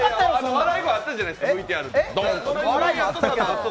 笑いがあったじゃないですか、ＶＴＲに。